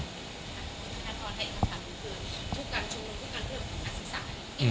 คุณบุรันดาลทราบที่ขาดหมุนเตือน